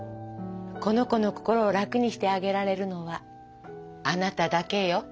この子の心を楽にしてあげられるのはあなただけよ。